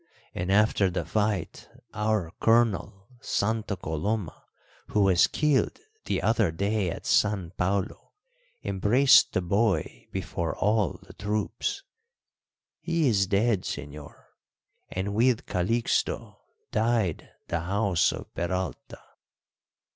And after the fight our colonel, Santa Coloma, who was killed the other day at San Paulo, embraced the boy before all the troops. He is dead, señor, and with Calixto died the house of Peralta."